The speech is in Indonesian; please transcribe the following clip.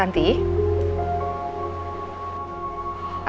tante apa kabar